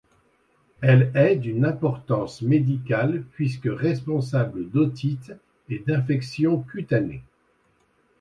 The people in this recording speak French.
Elle est d'une importance médicale puisque responsable d'otite et d'infections cutanées.